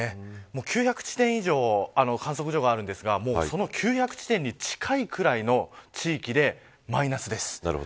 ９００地点以上観測地点があるんですがその９００地点に近いくらいの地域で、マイナスです。